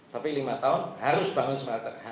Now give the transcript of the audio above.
tapi lima tahun harus bangun smelter